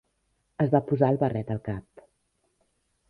Es va posar el barret al cap.